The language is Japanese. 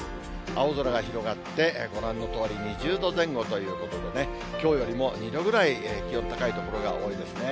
青空が広がって、ご覧のとおり、２０度前後ということでね、きょうよりも２度ぐらい気温高い所が多いですね。